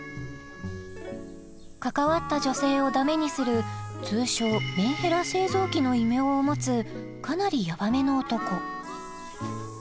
関わった女性をダメにする通称メンヘラ製造機の異名を持つかなりヤバめの男